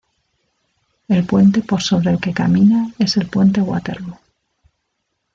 El puente por sobre el que camina es el puente Waterloo.